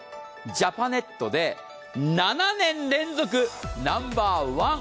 ジャパネットで７年連続ナンバーワン。